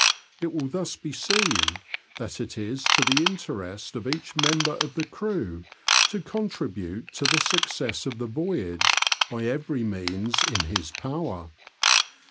It will thus be seen, that it is to the interest of each member of the crew to contribute to the success of the voyage by every means in his power.